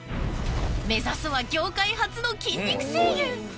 ［目指すは業界初の筋肉声優］